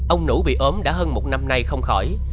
ông nũ bị ốm đã hơn một năm nay không khỏi